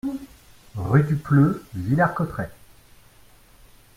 Rue du Pleu, Villers-Cotterêts